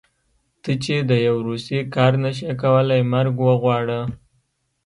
ته چې د يو روسي کار نشې کولی مرګ وغواړه.